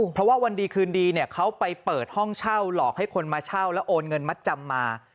เพราะว่าวันดีคืนดีเนี่ยเขาไปเปิดห้องเช่าหลอกให้คนมาเช่าแล้วโอนเงินมัดจำมา